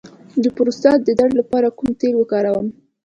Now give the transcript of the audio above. د پروستات د درد لپاره کوم تېل وکاروم؟